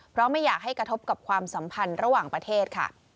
เพราะไม่อยากให้กระทบกับความสัมพันธ์ระหว่างประเทศค่ะ